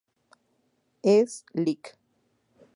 Es Lic.